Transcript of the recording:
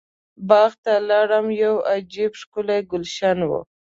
باغ ته لاړم یو عجب ښکلی ګلشن و.